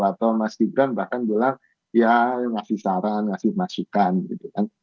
atau mas gibran bahkan bilang ya ngasih saran ngasih masukan gitu kan